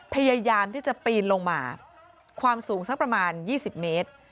พยายามที่จะปีนลงมาความสูงสักประมาณ๒๐เมตร